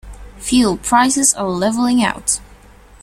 Fuel prices are leveling out.